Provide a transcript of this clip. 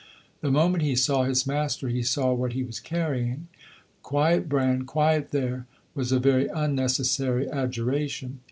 The moment he saw his master he saw what he was carrying. "Quiet, Bran, quiet there," was a very unnecessary adjuration.